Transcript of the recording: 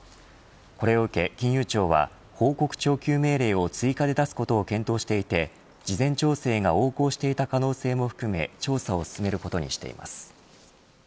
これを受け金融庁は報告徴求命令を追加で出すことを検討していて事前調整が横行していた可能性も含め調査を進めることにしています。